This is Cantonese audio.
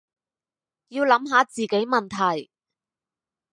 要諗下自己問題